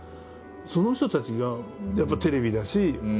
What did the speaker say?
その人たちがやっぱテレビだし